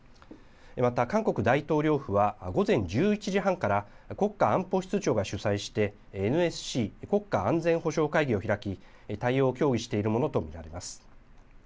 また、韓国大統領府は午前１１時半から、国家安保室長が主催して、ＮＳＣ・国家安全保障会議を開き、対応を協議しているものと見られます。